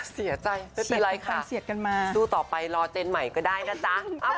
เสียใจไม่เป็นไรค่ะสู้ต่อไปรอเจนใหม่ก็ได้นะจ๊ะ